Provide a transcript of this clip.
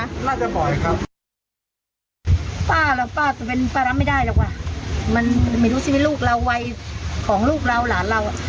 น่าจะบ่อยครับป้าเราป้าเป็นป้ารับไม่ได้หรอกว่ะมันไม่รู้ใช่ไหมลูกเราวัยของลูกเราหลานเราอ่ะ